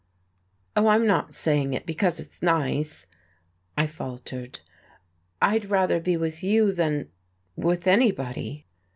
"Oh, I'm not saying it because it's nice," I faltered. "I'd rather be with you than with anybody."